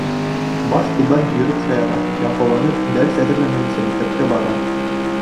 Баш түбән йөрөп шаяра, ялҡауланып, дәрес әҙерләмәйенсә мәктәпкә бара.